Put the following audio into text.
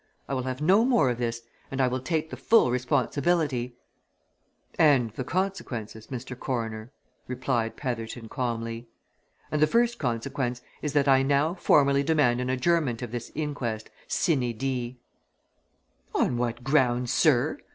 "I will have no more of this and I will take the full responsibility!" "And the consequences, Mr. Coroner," replied Petherton calmly. "And the first consequence is that I now formally demand an adjournment of this inquest, sine die." "On what grounds, sir?"